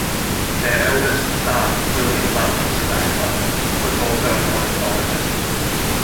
Their eldest son, William Lutley Sclater, was also an ornithologist.